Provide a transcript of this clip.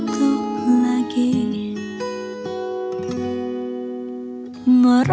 jangan lupakan lari